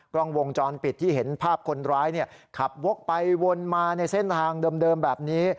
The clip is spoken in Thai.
กล้องวงจรปิดที่เห็นภาพคนร้ายขับวกไปวนมาในเส้นทางเดิมแบบนี้